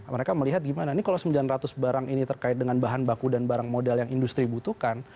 mereka melihat gimana nih kalau sembilan ratus barang ini terkait dengan bahan baku dan barang modal yang industri butuhkan